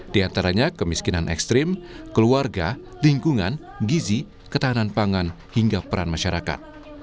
di antaranya kemiskinan ekstrim keluarga lingkungan gizi ketahanan pangan hingga peran masyarakat